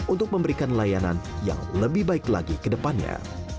untuk memberikan layanan yang lebih baik lagi ke depannya